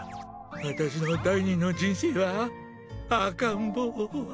私の第二の人生は赤ん坊は。